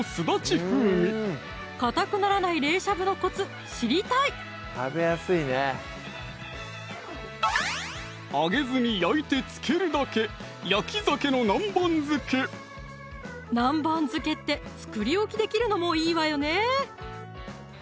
かたくならない冷しゃぶのコツ知りたい揚げずに焼いて漬けるだけ南蛮漬けって作り置きできるのもいいわよね